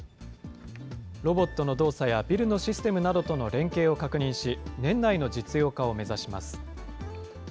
ロボットの動作やビルのシステムなどとの連携を確認し、年内の実用化を目指します。